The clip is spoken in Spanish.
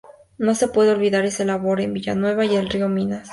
No se puede olvidar esta labor en Villanueva del Rio y Minas.